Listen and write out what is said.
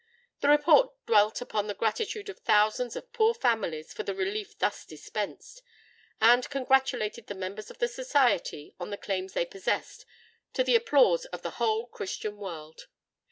The Report dwelt upon the gratitude of thousands of poor families for the relief thus dispensed, and congratulated the members of the Society on the claims they possessed to the applause of the whole Christian world.